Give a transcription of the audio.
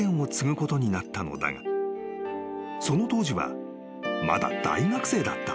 ［その当時はまだ大学生だった］